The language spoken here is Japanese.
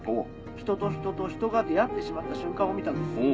「人と人と人が出会ってしまった瞬間を見たんです」